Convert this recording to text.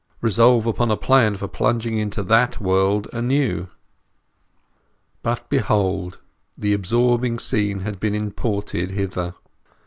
— resolve upon a plan for plunging into that world anew. But behold, the absorbing scene had been imported hither.